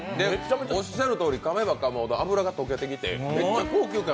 おっしゃるとおり、かめばかむほど脂が溶けてきてめっちゃ高級感。